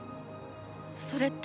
それって？